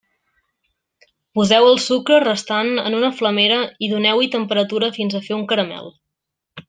Poseu el sucre restant en una flamera i doneu-hi temperatura fins a fer un caramel.